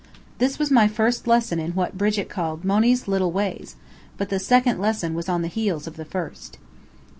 This was my first lesson in what Brigit called "Monny's little ways"; but the second lesson was on the heels of the first.